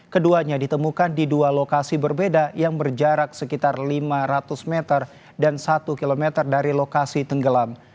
keduanya ditemukan di dua lokasi berbeda yang berjarak sekitar lima ratus meter dan satu km dari lokasi tenggelam